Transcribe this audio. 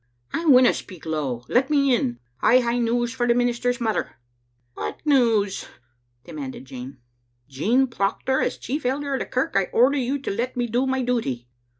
" I winna speak low. Let me in. I hae news for the minister's mother." "What news?" demanded Jean. " Jean Proctor, as chief elder of the kirk I order you to let me do my duty."